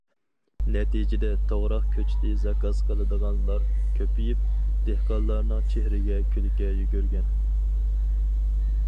نەتىجىدە، توغراق كۆچىتى زاكاز قىلىدىغانلار كۆپىيىپ، دېھقانلارنىڭ چېھرىگە كۈلكە يۈگۈرگەن.